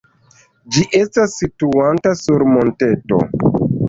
Ĝi estas situanta sur monteto.